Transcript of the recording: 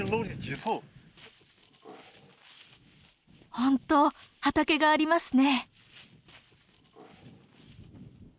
本当畑がありますね。